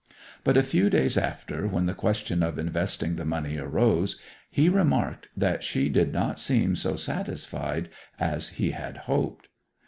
But a few days after, when the question of investing the money arose, he remarked that she did not seem so satisfied as he had hoped.